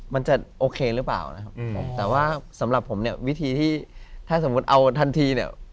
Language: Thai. มันจะโอเคหรือเปล่านะครับผมแต่ว่าสำหรับผมเนี่ยวิธีที่ถ้าสมมุติเอาทันทีเนี่ย